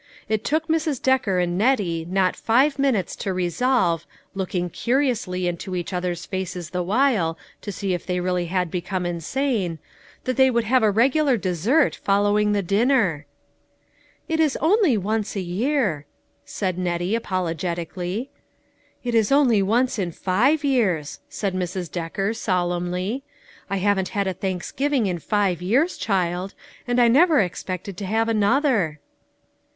It took Mrs. Decker and Kettle not five minutes to resolve, looking curi ously into each other's faces the while to see if they really had become insane, that they would have a regular dessert following the dinner !" It is only once a year," said Nettie apolo getically. "It is only once in five years!" said Mrs. Decker solemnly. " I haven't had a Thanks giving in five years, child ; and I never expected to have another."